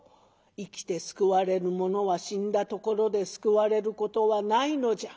生きて救われぬ者は死んだところで救われることはないのじゃ。